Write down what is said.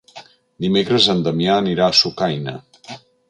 Dimecres en Damià anirà a Sucaina.